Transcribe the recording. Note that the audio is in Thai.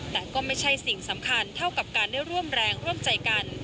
แต่ก็ไม่ใช่สิ่งสำคัญเท่ากับการได้ร่วมแรงร่วมใจกัน